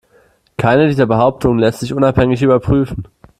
Keine dieser Behauptungen lässt sich unabhängig überprüfen.